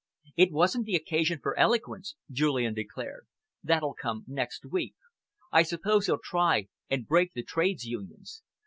"It wasn't the occasion for eloquence," Julian declared. "That'll come next week. I suppose he'll try and break the Trades Unions.